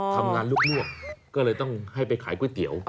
ทำงานลวกก็เลยต้องให้ไปขายก๋วยเตี๋ยว